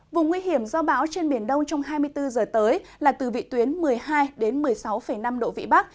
vùng nguy hiểm do bão trên biển đông trong hai mươi bốn h tới là từ vị tuyến một mươi hai một mươi sáu năm độ vị bắc